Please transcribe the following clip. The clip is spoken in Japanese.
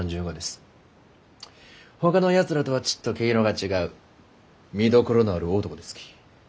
ほかのやつらとはちっと毛色が違う見どころのある男ですき。